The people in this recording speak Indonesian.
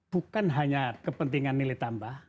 bukan hanya kepentingan nilai tambah